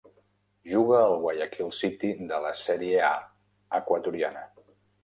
Juga al Guayaquil City de la Sèrie A equatoriana.